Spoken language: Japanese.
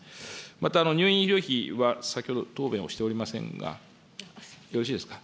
また、入院医療費は、先ほど答弁をしておりませんが、よろしいですか。